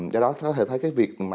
do đó ta có thể thấy cái việc mà